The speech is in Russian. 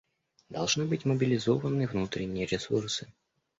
Должны быть мобилизованы внутренние ресурсы.